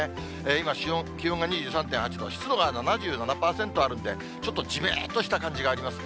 今、気温が２３．８度、湿度が７７％あるんで、ちょっとじめっとした感じがあります。